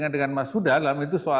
dengan mas huda dalam itu